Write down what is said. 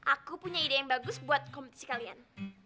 aku punya ide yang bagus buat kompetisi kalian